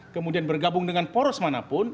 kemudian bergabung dengan poros manapun